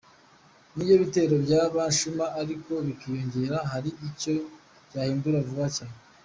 Niyo ibitero byaba shuma ariko bikiyongera hari icyo byahindura vuba cyane.